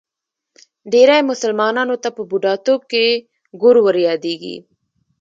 ډېری مسلمانانو ته په بوډاتوب کې ګور وریادېږي.